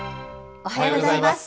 おはようございます。